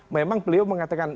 memang beliau mengatakan